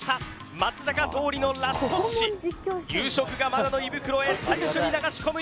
松坂桃李のラスト寿司夕食がまだの胃袋へ最初に流し込む